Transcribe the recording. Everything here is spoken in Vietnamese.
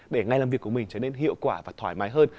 để ngày làm việc của mình trở nên hiệu quả và thoải mái hơn